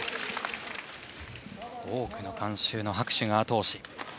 多くの観衆の拍手があと押し。